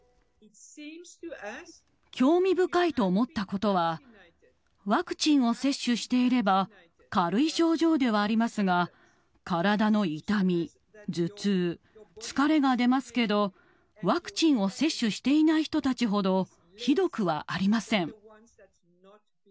興味深いと思ったことは、ワクチンを接種していれば、軽い症状ではありますが、体の痛み、頭痛、疲れが出ますけど、ワクチンを接種していない人たちほどひどくはありません。